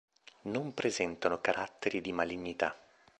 Non presentano caratteri di malignità.